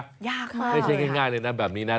ยากมากเลยคะค่ะค่ะค่ะไม่ใช่ง่ายเลยแบบนี้น่ะ